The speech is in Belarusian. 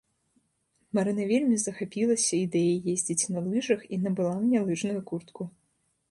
Марына вельмі захапілася ідэяй ездзіць на лыжах і набыла мне лыжную куртку.